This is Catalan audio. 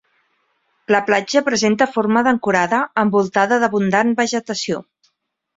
La platja presenta forma d'ancorada envoltada d'abundant vegetació.